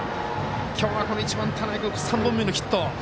今日はこの１番、田内君３本目のヒット。